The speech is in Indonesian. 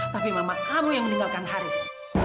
tapi mama kamu yang meninggalkan haris